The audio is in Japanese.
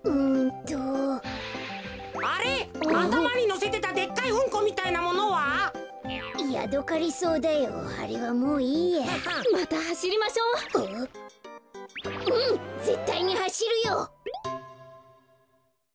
ぜったいにはしるよ！